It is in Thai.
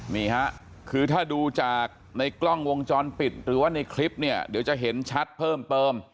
นี่ฮะคือถ้าดูจากในกล้องวงจรปิดหรือว่าในคลิปเนี่ยเดี๋ยวจะเห็นชัดเพิ่มเติม